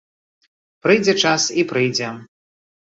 Прыйдзе час і прыйдзе.